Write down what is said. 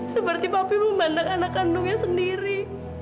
seperti bapi memandang anak kandungnya sendiri